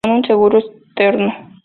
Con un seguro externo.